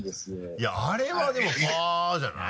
いやあれはでも「ファ」じゃない？